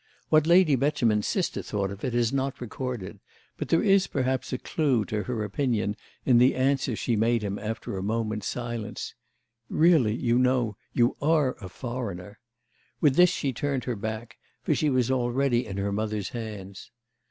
What Lady Beauchemin's sister thought of it is not recorded; but there is perhaps a clue to her opinion in the answer she made him after a moment's silence: "Really, you know, you are a foreigner!" With this she turned her back, for she was already in her mother's hands.